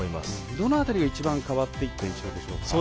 どの辺りが一番変わっていった印象ですか。